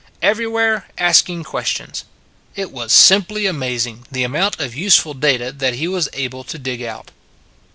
Everywhere asking questions. It was simply amazing, the amount of useful data that he was able to dig out.